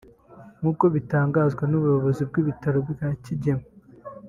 nk’uko bitangazwa n’ubuyobozi bw’ibitaro bya Kigeme